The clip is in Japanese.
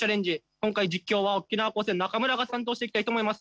今回実況は沖縄高専ナカムラが担当していきたいと思います。